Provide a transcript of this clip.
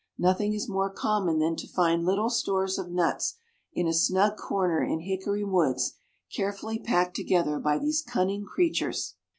Nothing is more common than to find little stores of nuts in a snug corner in hickory woods, carefully packed together by these cunning creatures.